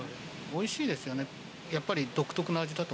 おいしいですよね。